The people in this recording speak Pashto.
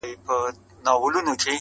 هوښیاران چي پر دې لار کړي سفرونه -